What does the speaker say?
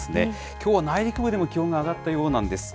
きょうは内陸部でも気温が上がったようなんです。